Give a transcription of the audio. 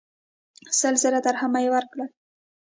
سل زره درهمه یې ورکړل.